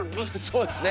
そうですね。